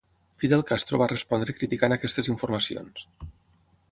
Fidel Castro va respondre criticant aquestes informacions.